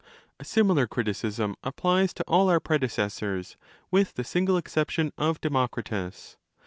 A similar criticism applies to all our predecessors with the single exception of Demokritos.